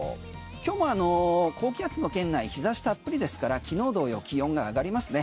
今日も高気圧の圏内日差したっぷりですから昨日同様気温が上がりますね。